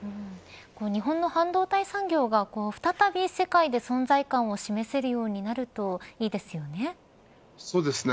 日本の半導体産業が再び世界で存在感を示せるようになるとそうですね。